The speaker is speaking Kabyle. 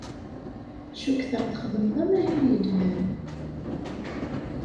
Cukkteɣ txedmeḍ amahil yelhan.